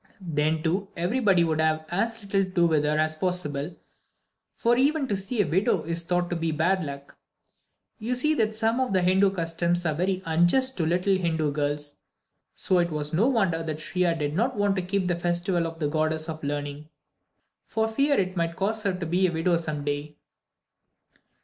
Then, too, everybody would have as little to do with her as possible; for even to see a widow is thought to be bad luck. You see that some of the Hindu customs are very unjust to the little Hindu girls. So it was no wonder that Shriya did not want to keep the festival of the Goddess of Learning, for fear it might cause her to be a widow some day.